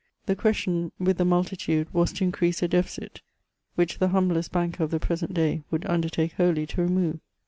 The question with the multitude was to increase a deficit, which the humblest banker of the present day would undertake wholly to remove.